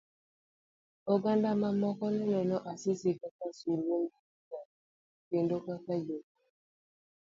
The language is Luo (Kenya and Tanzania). Oganda mamoko neneno Asisi kaka sulwe mar gweng kendo kaka jakony.